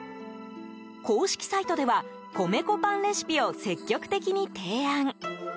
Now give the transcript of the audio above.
公式サイトでは米粉パンレシピを積極的に提案。